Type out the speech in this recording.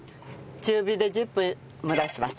中火で１０分蒸らします。